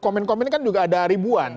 komen komen kan juga ada ribuan